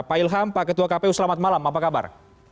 pak ilham pak ketua kpu selamat malam apa kabar